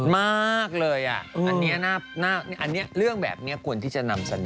มากเลยอันนี้เรื่องแบบนี้ควรที่จะนำเสนอ